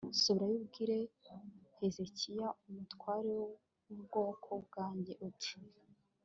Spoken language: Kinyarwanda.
subirayo, ubwire hezekiya umutware w'ubwoko bwanjye uti